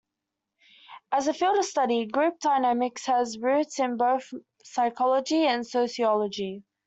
As a field of study, group dynamics has roots in both psychology and sociology.